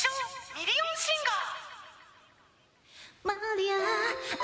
ミリオンシンガー